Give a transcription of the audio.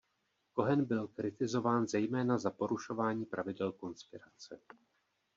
Kohen byl kritizován zejména za porušování pravidel konspirace.